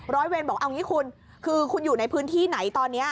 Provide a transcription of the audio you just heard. ร้อยเวรบอกเอางี้คุณคือคุณอยู่ในพื้นที่ไหนตอนนี้